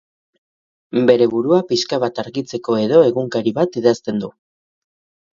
Bere burua pixka bat argitzeko-edo egunkari bat idazten du.